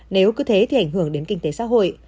nếu cứ thế thì ảnh hưởng đến kinh tế xã hội